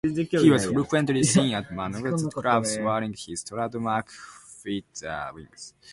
He was frequently seen at Manhattan clubs wearing his trademark feathered wings.